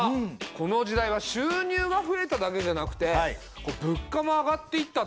この時代は収入が増えただけじゃなくてやった！